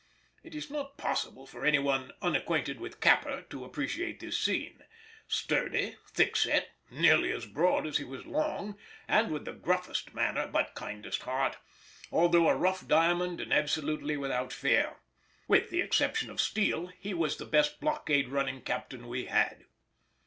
It is not possible for any one unacquainted with Capper to appreciate this scene. Sturdy, thickset, nearly as broad as he was long, and with the gruffest manner but kindest heart,—although a rough diamond and absolutely without fear. With the exception of Steele he was the best blockade running captain we had.